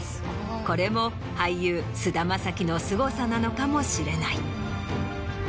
これも俳優菅田将暉のすごさなのかもしれない。